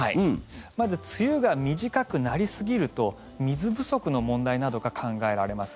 まず梅雨が短くなりすぎると水不足の問題などが考えられます。